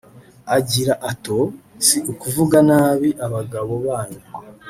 aho agira ato “Si ukuvuga nabi abagabo banyu